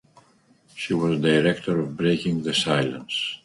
She was director of Breaking the Silence.